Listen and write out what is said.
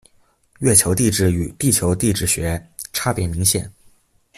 月球地质与地球地质学差别明显。